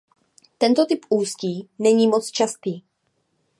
Tento typ ústí není moc častý.